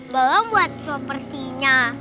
belom buat propertinya